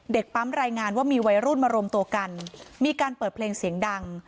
ปั๊มรายงานว่ามีวัยรุ่นมารวมตัวกันมีการเปิดเพลงเสียงดัง